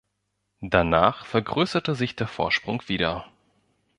Danach vergrößerte sich der Vorsprung wieder.